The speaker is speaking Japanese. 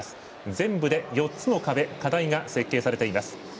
全部で４つの壁課題が設計されています。